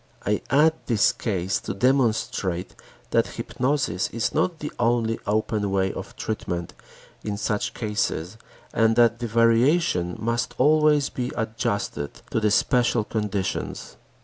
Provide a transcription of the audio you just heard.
I add this case to demonstrate that hypnosis is not the only open way of treatment in such cases and that the variations must always be adjusted to the special conditions.